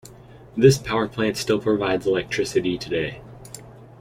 This power plant still provides electricity today.